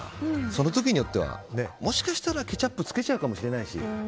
その時によってはもしかしたらケチャップつけちゃうかもしれないし。